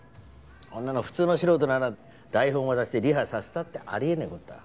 あんなの普通の素人なら台本渡してリハさせたってあり得ねえ事だ。